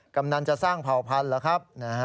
กำนันจะสร้างเผ่าพันธุ์เหรอครับ